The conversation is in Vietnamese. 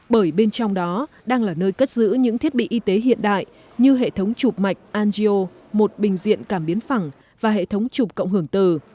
bởi bên trong đó đang là nơi cất giữ những thiết bị y tế hiện đại như hệ thống chụp mạch angio một bình diện cảm biến phẳng và hệ thống chụp cộng hưởng từ